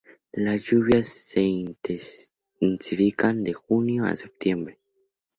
Las lluvias se intensifican de junio a septiembre.